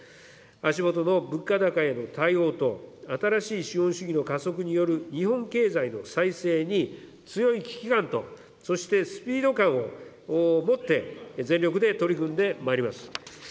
足下の物価高への対応と、新しい資本主義の加速による日本経済の再生に、強い危機感と、そしてスピード感をもって、全力で取り組んでまいります。